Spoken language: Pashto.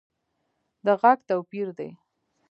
د غږ توپیر دی